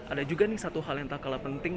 ada juga nih satu hal yang tak kalah penting